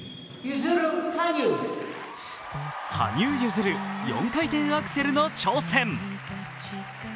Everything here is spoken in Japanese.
羽生結弦、４回転アクセルの挑戦。